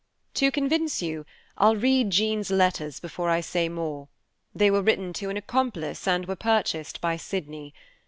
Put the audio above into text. "To convince you, I'll read Jean's letters before I say more. They were written to an accomplice and were purchased by Sydney.